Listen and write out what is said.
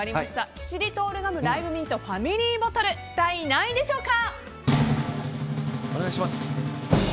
キシリトールガムライムミントファミリーボトル第何位でしょうか。